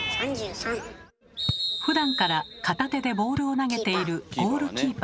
ふだんから片手でボールを投げているゴールキーパーは。